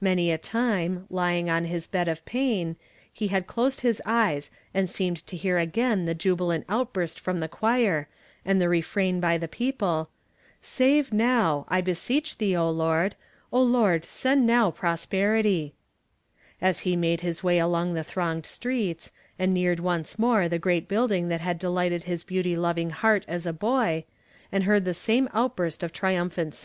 Many a time, lying on his bed of pain, he had closed his eyes and seemed to hear again the jubilant outburst from the choir, and the refrain by the people :" Save now, I be seech thee, O Lord; O Lord send now prosper ity." As he made his way along the thronged streets, and neared once more the great building that had delighted his beauty loving lieart as a boy, and heard the same outbui st of triumphant I 216 YESTERDAY FRAMED IN TO DAY.